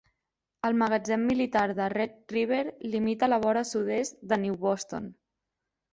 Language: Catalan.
El magatzem militar de Red River limita la vora sud-est de New Boston.